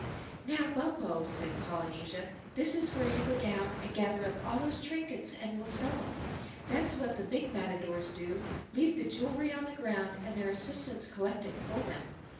"Now, Bumpo," said Polynesia, "this is where you go down and gather up all those trinkets and we'll sell 'em. That's what the big matadors do: leave the jewelry on the ground and their assistants collect it for them.